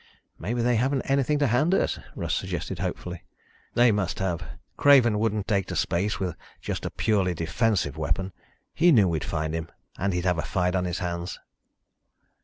"Maybe they haven't anything to hand us," Russ suggested hopefully. "They must have. Craven wouldn't take to space with just a purely defensive weapon. He knew we'd find him and he'd have a fight on his hands."